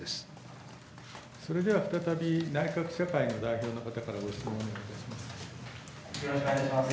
それでは再び、内閣記者会の代表の方から、ご質問をお願いいたします。